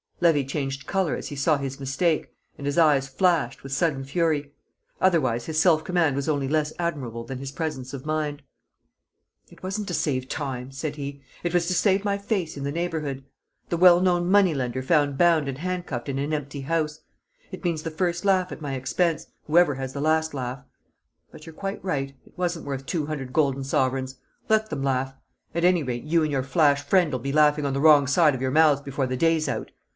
Levy changed colour as he saw his mistake, and his eyes flashed with sudden fury; otherwise his self command was only less admirable than his presence of mind. "It wasn't to save time," said he; "it was to save my face in the neighbourhood. The well known money lender found bound and handcuffed in an empty house! It means the first laugh at my expense, whoever has the last laugh. But you're quite right; it wasn't worth two hundred golden sovereigns. Let them laugh! At any rate you and your flash friend'll be laughing on the wrong side of your mouths before the day's out.